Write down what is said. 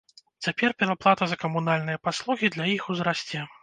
Цяпер пераплата за камунальныя паслугі для іх узрасце.